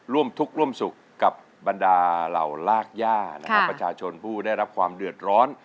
ร่วมทุกข์ร่วมสุขกับบรรดาเหล่ารากย่านะครับประชาชนผู้ได้รับความเดือดร้อน